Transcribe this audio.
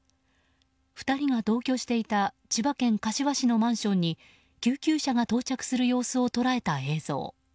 ２人が同居していた千葉県柏市のマンションに救急車が到着する様子を捉えた映像。